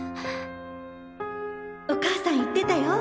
お母さん言ってたよ！